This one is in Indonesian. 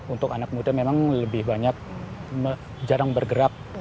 untuk anak muda memang lebih banyak jarang bergerak